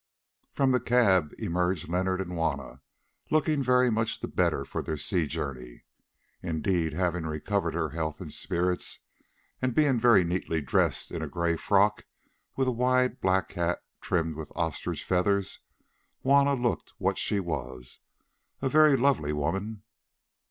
From the cab emerged Leonard and Juanna, looking very much the better for their sea journey. Indeed, having recovered her health and spirits, and being very neatly dressed in a grey frock, with a wide black hat trimmed with ostrich feathers, Juanna looked what she was, a very lovely woman.